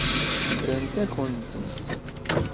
Ffrent-akent-tent.